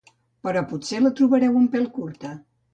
però potser la trobareu un pèl curta